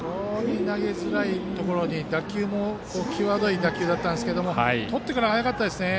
投げづらいところ打球も際どい打球だったんですがとってからが早かったですね。